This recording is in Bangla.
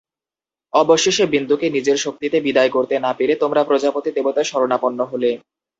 অবশেষে বিন্দুকে নিজের শক্তিতে বিদায় করতে না পেরে তোমরা প্রজাপতি দেবতার শরণাপন্ন হলে।